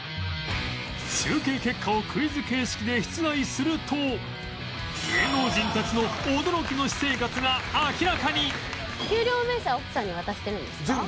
集計結果をクイズ形式で出題すると芸能人たちの全部そのまま渡すから。